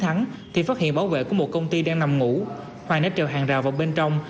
thắng thì phát hiện bảo vệ của một công ty đang nằm ngủ hoàng đã trèo hàng rào vào bên trong